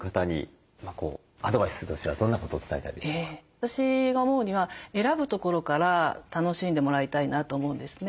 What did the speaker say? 私が思うには選ぶところから楽しんでもらいたいなと思うんですね。